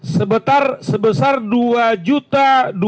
sebetar sebesar dua juta